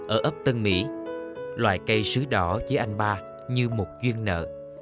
ở ấp tân mỹ loài cây sứ đỏ với anh ba như một duyên nợ